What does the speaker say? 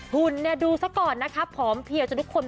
หุ่นเนี่ยดูซะก่อนนะคะผอมเพียวจนทุกคน